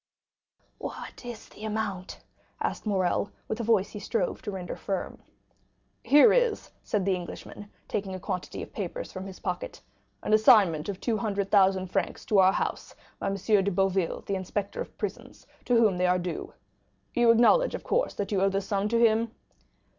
"What is the amount?" asked Morrel with a voice he strove to render firm. 20035m "Here is," said the Englishman, taking a quantity of papers from his pocket, "an assignment of 200,000 francs to our house by M. de Boville, the inspector of prisons, to whom they are due. You acknowledge, of course, that you owe this sum to him?"